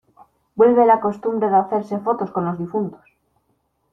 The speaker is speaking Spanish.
Vuelve la costumbre de hacerse fotos con los difuntos.